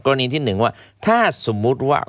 ที่๑ว่าถ้าสมมุติว่า